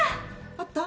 あった？